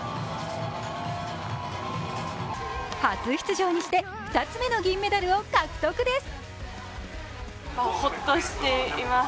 初出場にして２つ目の銀メダルを獲得です。